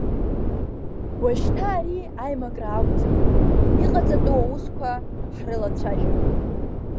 Уашьҭа ари аимакра акәӡам, иҟаҵатәу аусқәа ҳрылацәажәап.